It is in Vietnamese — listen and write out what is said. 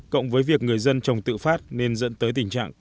cộng với việc người dân trồng tự phát nên dẫn tới tình trạng